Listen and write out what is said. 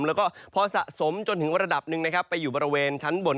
แล้วก็พอสะสมจนถึงระดับหนึ่งนะครับไปอยู่บริเวณชั้นบน